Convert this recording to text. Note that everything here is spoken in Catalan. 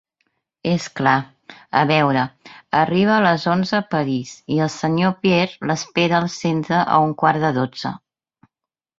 És clar. A veure: arriba a les onze a París i el senyor Perrier l'espera al centre a un quart de dotze.